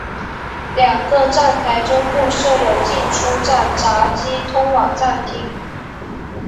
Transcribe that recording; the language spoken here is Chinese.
两个站台中部设有进出站闸机通往站厅。